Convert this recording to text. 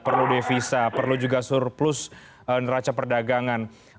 perlu devisa perlu juga surplus neraca perdagangan